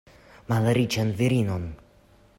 Malriĉan virinon!